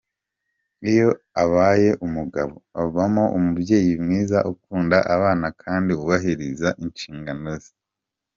Iyo abaye umugabo, avamo umubyeyi mwiza ukunda abana kandi wubahiriza inshingano ze.